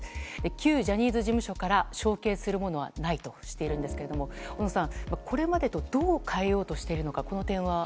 旧ジャニーズ事務所から承継するものはないとしているんですけども小野さん、これまでとどう変えようとしているのかこの点は？